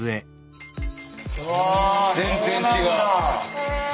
全然違う。